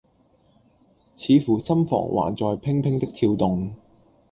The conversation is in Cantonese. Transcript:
似乎心房還在怦怦的跳動。